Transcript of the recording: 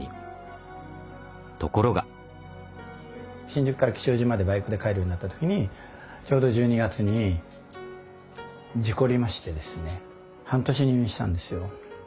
新宿から吉祥寺までバイクで帰るようになった時にちょうど１２月に事故りましてですね半年入院したんですよ。